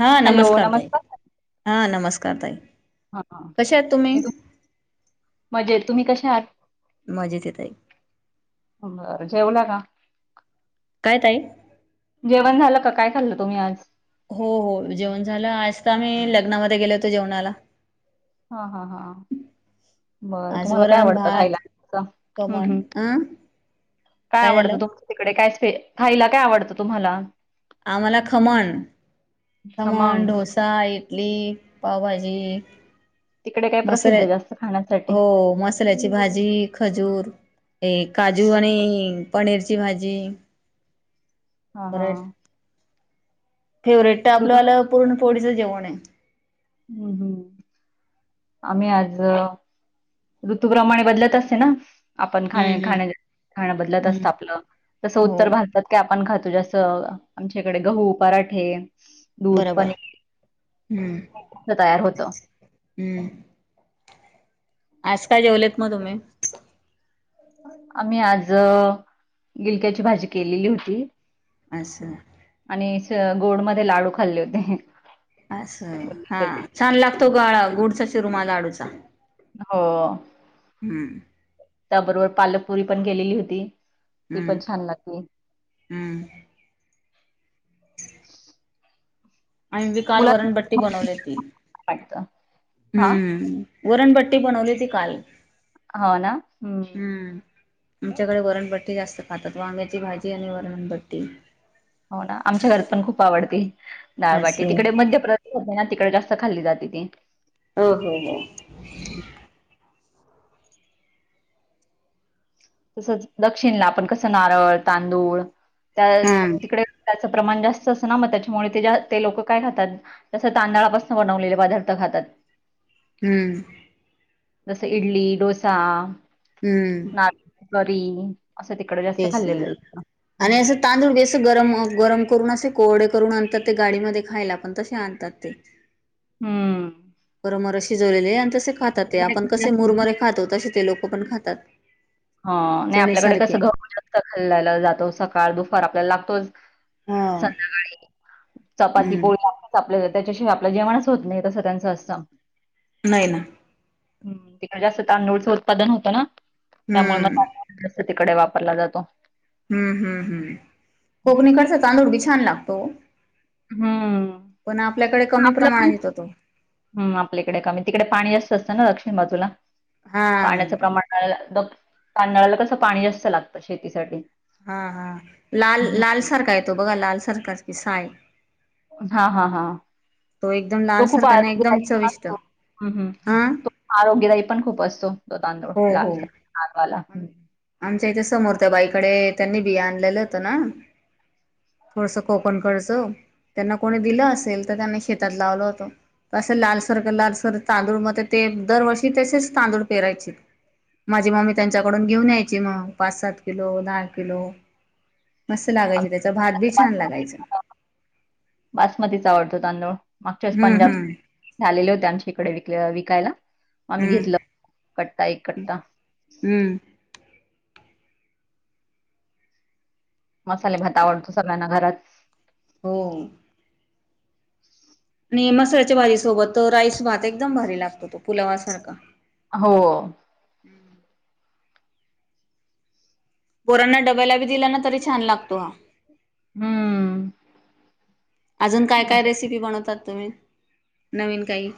हा नमस्कार ताई हा नमस्कार ताई हा हा कशा आहात तुम्ही? मजेत तुम्ही कशा आहात? मजेतयं ताई. बरं, जेवला का? काय ताई? जेवण झालं का? काय खाल्लं तुम्ही आज? हो हो, जेवण झालं, आज काय नाही लग्नामध्ये गेले होते जेवणाला. हा हा हा. बरं आज तुम्हाला काय वरण आवडतं खायला? भात [unintelligible] हम् खमण हम्. अं काय आवडतं, तुमच्या तिकडे काय स्पेश, खायला काय आवडतं तुम्हाला? आम्हाला खमण, खमण खमंग ढोसऽ सा, इडली, पावभाजी, तिकडे काय मसुर्या, प्रसिद्ध जास्त खाण्यासाठी? हो मसं मसुऱ्याची भाजी, खजूर, हे काजू हा आणि पनीरची भाजी. हा हा. परत फेवरेट तर, ऋतू आपलवालं पूरण पोळीचं जेवण आहे. हम् हम्. आम्ही आज ऋतूप्रमाणे बदलत असते ना. आपण खाणं, हम्म हम्म खाणं बदलत असत हम्म आपलं, तसं उत्तर हो भारतात ते आपण खातो जसं, आमच्याकडे गहू, पराठे दूध, बरोबर पनीर हम्म हे [inaudible] तयार होतं हम्म. आज काय जेवलेत मग तुम्ही? आम्ही आज अं, गिलक्याची भाजी केलेली होती. असं. आणि स गोडमध्ये लाडू खाल्ले होते. असं, हा बुंदीचे. छान लागतो गळा गुडचा चुरमा लाडूचा. हो. हम्म. त्याबरोबर, पालकपुरी पण केलेली होती. ती हम्म पण छान लागते. हम्म. आम्ही बी काल वरन बट्टी मुलांना बनवली. वाटतं. हां, हम्म. वरणबट्टी बनवली होती काल. हो, ना हम्म. हम्म, आमच्याकडे वरणबट्टी जास्त खातात. वांग्याची भाजी आणि वरणबट्टी. हो, ना आमच्या घरात पण खूप आवडती डाळबाटी असं तिकडे मध्य प्र ना तिकडे जास्त खाल्ली जाते ती. हो हो हो. तसंच, दक्षिणेला आपण कसं नारळ तांदूळ त्या हा तिकडे त्याचं प्रमाण जास्त असंत, ना मग त्याच्यामुळे ते ते लोक काय खातात? तसं तांदळापासून बनवलेले पदार्थ खातात. हम्म. जसं इडली, डोसा. हम्म. नारळ करी. असं तिकडे, जा तेच ना आणि असं तांदूळ बी अस गरम गरम करून असे कोरडे करून आणतात ते गाडीमध्ये खायला पण तसे आण तात ते हू परमर शिजवलेले आहे आणि तसे खातात ते तिकडे आपण कसं कसे जास्त मुरमरे खातो तसे ते लोक पण खातात हा नाही आपल्याकडे चणीसारखे कसं गहु जास्त खाल्ल्याला जातो सकाळ दुपार आपल्याला लागतोच हा. संध्याकाळी चपाती हम्म. पोळी आपल्या त्याच्याशीवाय आपलं जेवणच होत नाही तसं त्यांचं असतं नाही ना हू तिकडे जास्त तांदूळचं उत्पादन होतं ना त्यामुळे मग हम्म तांदूळ जास्त तिकडे वापरला जातो हू हू हू कोकणीकडच तांदूळ बि छान लागतो हू पण आपल्याकडे कमी प्रमाणात येतो तो हू आपल्याकडे कमी तिकडे पाणी जास्त असतं ना दक्षिण बाजूला हा पाण्याचं प्रमाण तांदळाला कसं पाणी जास्त लागतं शेतीसाठी हा हा लाल हम्म. लालसारख येतो बघा लालसारखच की साय हा हा हा तो एकदम लाल तो खूप सारखा ना एकदम [unintelligible] चविष्ट आणतो हू हू हा आरोग्यदायी पण खूप असतो तो तांदूळ हो हो. लालसा लालवाला आमच्या इथे समोर त्या बाईकडे त्यांनी बि आणलेलं होतं ना थोडस आपण करर्च त्यांना कोणी दिलं असेल तर त्यांना शेतात लावलं होत असं लालसर लालसर तांदूळ म ते दरवर्षी तसेच तांदूळ पेरायचे माझी मम्मी त्यांच्याकडून घेऊन यायची मग पाच सात किलो दहा किलो मस्त लागायच त्याचा भात बी छान लागायचा बासमतीचा आवडतो तांदूळ मागच्या वेळेस हम्म हम्म पंजाब- आलेले होते आमच्या इकडे विक विकायला आम्ही हम्म घेतलं कट्टा एक कट्टा हू मसाले भात आवडतो सगळ्यांना घरात हो आणि मसाल्याच्या भाजीसोबत राईस भात एकदम भारी लागतो तो पुलावासारखा हो पोरांना डब्याला बी दिला ना तरी छान लागतो हम्म. अजून काय काय असं रेसिपी बनवतात तुम्ही नवीन काही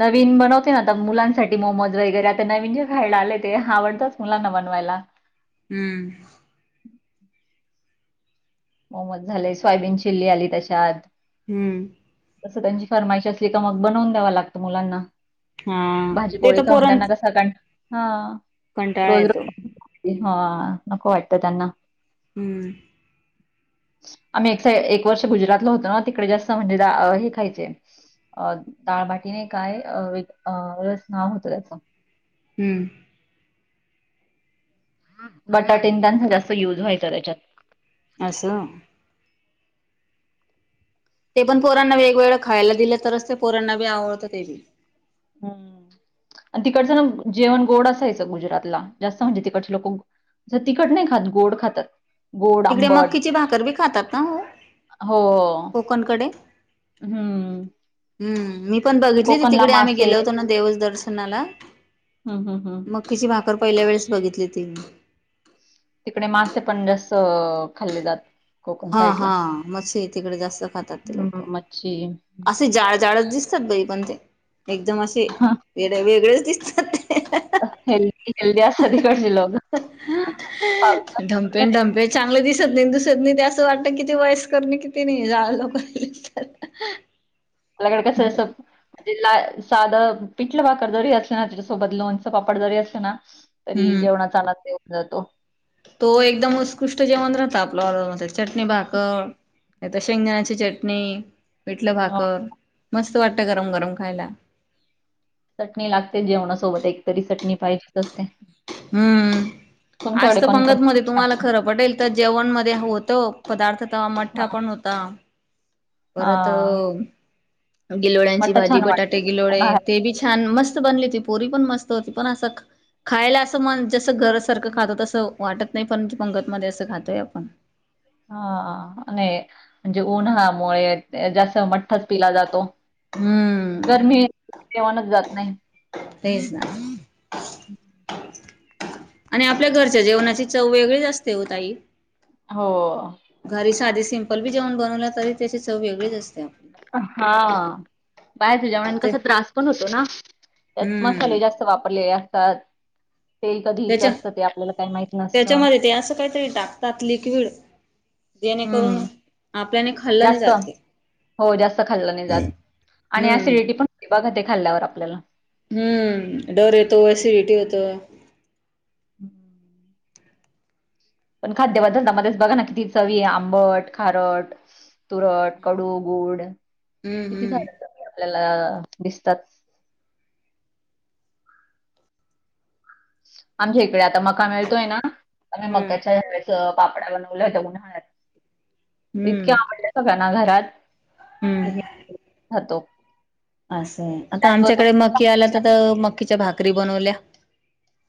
नवीन बनवते ना आता मुलांसाठी मोमोज वगैरे आता नवीन जे खायला आले ते आवडतंच मुलांना बनवायला हू मोमोज झाले सोयाबीन चिल्ली आली त्याच्यात हू तसं त्यांची फरमाईश असली का मग बनवून द्याव लागतं मुलांना हा ते भाजीपोळी तर खाउन पोरां त्यांना कसा कन ह कंटाळा येतो हा नको वाटतं त्यांना हू आम्ही एक एक वर्ष गुजरातला होतो ना तिकडे जास्त म्हणजे हे खायचे दाळबाटी नाही काय अ वेगळच नाव होतं त्याच हू बटाटे त्यांचा जास्त युज व्हायचं त्याच्यात. अस. ते पण पोरांना वेगवेगळं खायला दिलं तरच. ते पोरांना बी आवडतं ते बी. हम्म. आणि तिकडचं ना जेवण गोड असायच गुजरातला. जास्त म्हणजे तिकडचे लोक ज तिखट नाही खात. गोड खातात. गोड, तिकडे आंबट मक्कीची भाकर बी खातात ना ओ. हो. हम्म. हम्म. मी पण बघितली ती कोकणला तिकडे आम्ही मासे गेलो होतो ना देवस दर्शनाला. हम्म हम्म हम्म. मकीची भाकर पहिल्या वेळेस बघितली ती. तिकडे मासे पण जास्त खाल्ले जात. कोकण हा साईडला. हा मच्छी तिकडे जास्त खातात ते हं, लोक. मच्छी. असे जाड जाडच दिस तात बाई पण ते. एकदम असे हां, वे वेगळेच दिसतात. हेल्दी हेल्दी असतात तिकडचे लोक. डमपेन पावसाळ्यात डमपे चांगलं दिसत नाही दिसत नाही ते. असं वाटत किती वयस् करणे किती नाही. जाड लोक अपल्याकड कसं अस म्हणजे ला साधं पिठलं भाकर जरी असलना त्याच्यासोबत लोणच पापड जरी असलना. तरी हम्म जेवणा चाला तेव जातो. तो एकदम उत्कृष्ट जेवण राहत आपला न, ते चटणी भाकर. शेंगंदाणाची चटणी. पीटलं हो, भाकर. मस्त वाटत गरम गरम खायला. चटणी लागते जेवणासोबत. एकतरी चटणी पाहिजे असते. हम्म. तुमच्याकडे आसत कोणकोण पंगद मध्ये हां, तुम्हाला खरं पटेल. त जेवण मध्ये होतं. पदार्थता मठ्ठा पण होता. परत हां. गिलोळ्यांची मट्टा भाजी छान वाटतो बटाटे गिलोळे उन्हाळ्यात. ते बी छान मस्त! बली हो पोरी पण मस्त होती पण अस खायला अस म जस हं. घर सारखं खात तसं‌. वाटत नाही परंतु पंगतमध्ये असं खातोय आपण. हा आणि म्हणजे उन्हामुळे जास्त मठ्ठाच पिला जातो. ह. गरमी जेवणच जात नाही. तेच ना. [inaudible] आणि आपल्या घरच्या जेवणाची चव वेगळीच असते हो ताई. हो. घरी साधी सिम्पल बी जेवण बनवलं तरी, त्याची चव वेगळीच असते. हा. बाहेरच्या जेवनान ते कस त्रास पण होतो ना. त्यात हम्म मसाले जास्त वापरलेले असतात. तेल कधी हिचं त्याच्या, असतं ते आपल्याला काही माहित नसतं. त्याच्यामध्ये ते असं काहीतरी टाकतात लिक्विड. जेणेकरून हम्म. आपल्याने ख जास्त हो जास्त खाल्लं नाही जात. आणि हम्म ऍसिडिटी पण बघा ते खाल्ल्यावर आपल्याला. हम्म. डर येतो. एसिडिटी होतो. [inaudible] पण खाद्य पदार्थातच मध्येच बघा ना किती चवी आंबट, खारट तुरट, कडू, गुड हम्म किती हम्म सारे आपल्याला दिसतात. आमच्या इकडे आता मका मिळतोय ना, आम्ही मकाच्या [unintelligible] पापड्या बनवल्या होत्या उन्हाळ्यात इतके हम्म आवडले सगळ्यांना घरात हम्म [unintelligible] खातो असं आता त्याचबरोबर आमच्याकडे मकी आला तर तर मकीच्या भाकरी बनवल्या.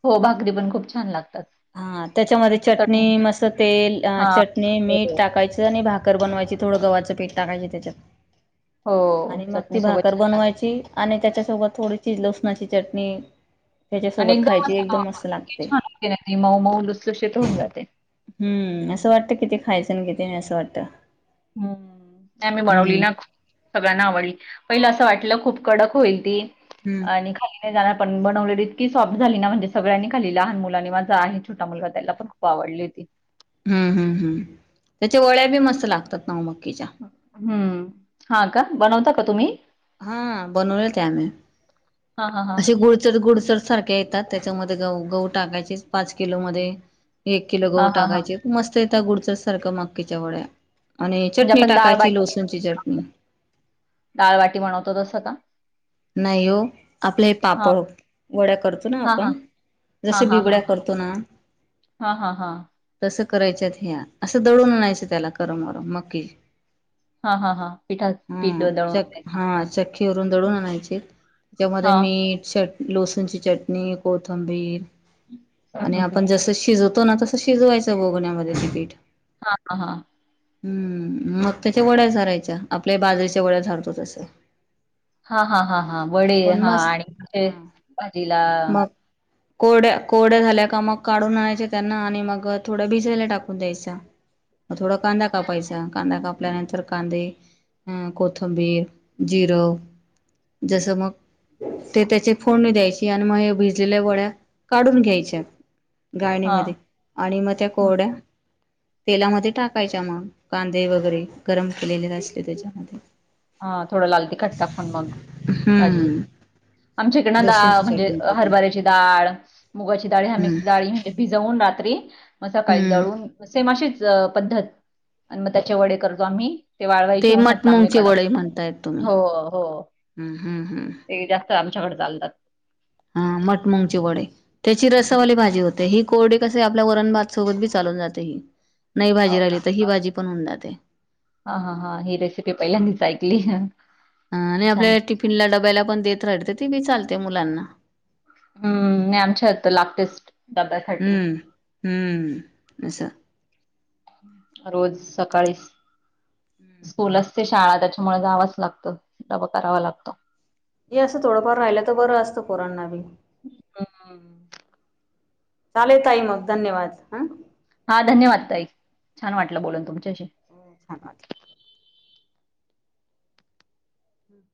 हो भाकरी पण खूप छान लागतात. हा त्याच्यामध्ये चटणी मस्त तेल टाक हां. चरणी हो. मीठ टाकायचं आणि भाक भाकर बनवायची थोडं गव्हाचं पीठ टाकायचे त्याच्यात हो. आणि मग ती चटणीसोबत भाकर छान बनवायची. आणि त्याच्यासोबत थोडीशी लसणाची चटणी त्याच्या सोबत खायची एकदम मस्त लागते. [unintelligible] मऊ मऊ लुस लुशीत होऊन जाते. हम्म असं वाटतं किती खायचं ना किती नाही असं वाटतं. हम्म आमी बनवली हम्म नाखू सगळ्यांना आवडली पहिलं असं वाटलं खूप कडक होईल ती हम्म आणि खाली [unintelligible] पण बनवलेली इतकी सॉफ्ट झाली ना म्हणजे सगळ्यांनी खाल्ली, लहान मुलांनी माझा आहे छोटा मुलगा त्याला पण खूप आवडली ती हम् हम्म हम् त्याच्या वड्या बी मस्त लागतात ना हो मक्कीच्या हम्म हा का बनवता का हम् तुम्ही? हा बनवले ते आम्ही हां, हां, हां. असे गुडचर गुडचर सारखे टाक त्याच्यामध्ये गहू, गहू टाकायचेच पाच किलो मध्ये एक किलो गहू हां, हां, हां. टाकायचे. मस्त येतं गुडचर सारखं मक्कीच्या वड्या आणि म्हणजे चटणी आपण डाळ टाकायची लोसणची चटणी डाळवाटी बनवतो तसं का नाही हो, आपले हां. पापड वड्या करतो ना हां, हां. आपण जस बिबड्या करतो ना हा हा हा तसं करायच्यात ह्या असं दळून आणयचं त्याला करमर मकी हां, हां, हां. पिठा हा पीठ दळून चक आणायचं. हा चक्की वरून दळून आणायचं. त्याच्यामध्ये हां. मीठ लोसणची चटणी कोथंबीर [unintelligible] हं, आणि हं, आपण हं. जसं शिजवतो ना तसं शिजवायचं बगवन्यामध्ये ते पीठ. हा ह हा हम्म मग त्याच्या वड्या सारायच्या आपल्या बाजरीेच्या वड्या सारतो तस हा हा हा वडे पण हा मस्त आणि म्हणे हा भाजीला मग कोरड्या कोरड्या झाल्या का मग काढून आणायच्या त्यांना आणि मग थोडं भिजायला टाकून द्यायच. मग थोडा कांदा कापायचा, कांदा कापल्यानंतर कांदे ह कोथंबीर जिर जसं मग ते त्याचे फोडणी द्यायची आणि मग ह्या भिजलेल्या वड्या काढून घ्यायच्या. हां, गायण्यामध्ये आणि मग त्या हं. कोरड्या तेलामध्ये टाकायच्या मग कांदे वगैरे गरम केलेले नसते त्याच्यामध्ये हा थोडं लाल तिखट टाकून मग भाजी. हम्म आमच्या इकडनं डाळ लसूणची म्हणजे चटणी करून हरभऱ्याची डाळ मुगाची डाळी ह्या हम्म मिक्स डाळी आहे. भिजवून रात्री मग सकाळी हम्म दळून सेम अशीच पद्धत आणि मग त्याचे वडे करतो आम्ही ते वाळवायचे उन्हात चांगले कडक म्हणता येतो. हो हो ते जास्त आमच्याकडे चालतात. हा मठ मुंग चे वडे. त्याची हं. रसावाली भाजी होते ही कोरडी कस आपल्या वरण भात सोबत बी चालून जाते ही. नाही हो भाजी राहिली तर ही भाजी पण होऊन जाते. हा -हा हा ही रेसिपी पहिल्यांदच ऐकली. अ आणि आपल्या छान. टिफिनला डबायला पण देत राहते. ती बी चालते मुलांना. हम्म नाही आमच्या यत लागतेच डाब्यासाठी. हम्म हम्म अस. रोज सकाळी स्कूल असते शाळा त्याच्यामुळे जावच लागत डबा करावा लागतो. ये अस थोडफार राहिल तर बर असत पोरना बी, हम्म चालेल ताई मग धन्यवाद! ह. हा धन्यवाद ताई. छान वाटलबोलून तुमच्याशी. ह् छान वाटल.